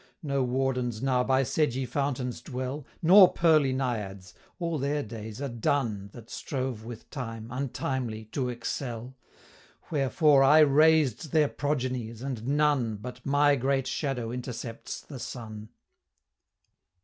No wardens now by sedgy fountains dwell, Nor pearly Naiads. All their days are done That strove with Time, untimely, to excel; Wherefore I razed their progenies, and none But my great shadow intercepts the sun!"